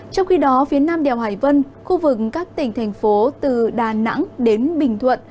trong khi đó phía nam đèo hải vân khu vực các tỉnh thành phố từ đà nẵng đến bình thuận